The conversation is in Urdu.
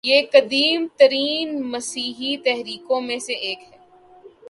یہ قدیم ترین مسیحی تحریکوں میں سے ایک ہے